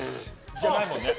じゃないもんね。